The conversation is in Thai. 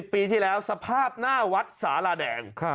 ปีที่แล้วสภาพหน้าวัดสาราแดง